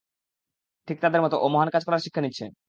ঠিক তাদের মতো, ও মহান কাজ করার শিক্ষা নিচ্ছে।